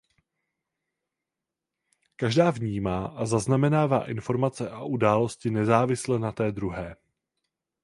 Každá vnímá a zaznamenává informace a události nezávisle na té druhé.